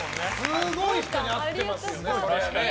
すごい人に会ってますよね。